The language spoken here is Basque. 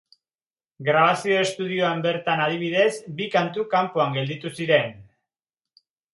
Grabazio estudioan bertan, adibidez, bi kantu kanpoan gelditu ziren.